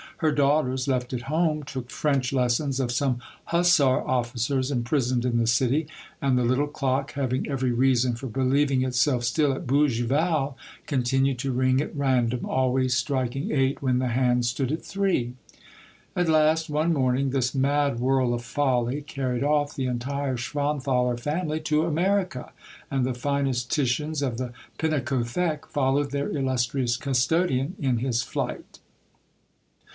Her daughters, left at home, took French lessons of some hussar officers imprisoned in the city, and the little clock, having every reason for believing itself still at Bougival, continued to ring at random, always striking eight when the hand stood at three. At last, one morning, this mad whirl of folly carried off the entire Schwanthaler family to America, and the finest Titians of the Pinakothek followed their illustrious custodian in his flight.